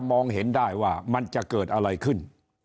รู้ได้ว่ามันจะเกิดอะไรขึ้น